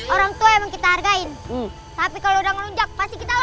orangtua emang kita hargain tapi kalau udah ngelunjak pasti kita lawan